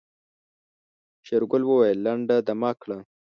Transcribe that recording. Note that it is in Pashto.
شېرګل وويل لنډه دمه کړه.